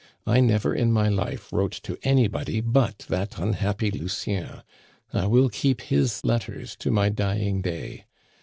I never in my life wrote to anybody but that unhappy Lucien. I will keep his letters to my dying day!